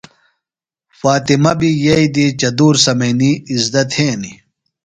فاطمہ بیۡ یئیی دی چدُور سمئینی اِزدہ تھینیۡ۔